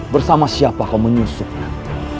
bersama siapa kau menyusupkan